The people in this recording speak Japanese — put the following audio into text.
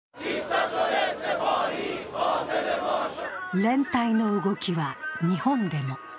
連帯の動きは日本でも。